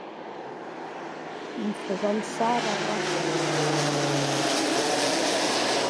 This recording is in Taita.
Mfu ghwa msara ghwasia